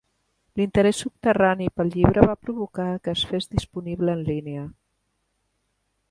L'interès subterrani pel llibre va provocar que es fes disponible en línia.